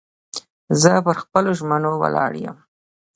زه پر خپلو ژمنو ولاړ یم.